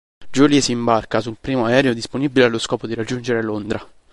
Julie si imbarca sul primo aereo disponibile allo scopo di raggiungere Londra.